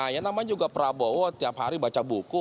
yang namanya juga prabowo tiap hari baca buku